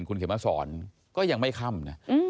คุณเขียนมาสอนก็ยังไม่ค่ำ